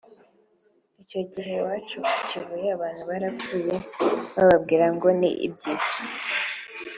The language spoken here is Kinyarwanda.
Icyo gihe iwacu ku Kibuye abantu barapfuye bababwira ngo ni ibyitso